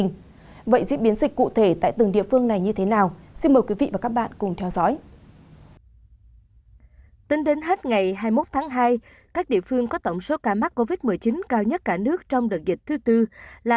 ngày hai mươi một tháng hai các địa phương có tổng số ca mắc covid một mươi chín cao nhất cả nước trong đợt dịch thứ tư là